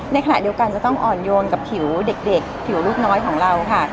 ในขณะเดียวกันจะต้องอ่อนโยนกับผิวเด็กผิวลูกน้อยของเราค่ะ